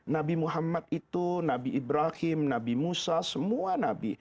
nabi muhammad itu nabi ibrahim nabi musa semua nabi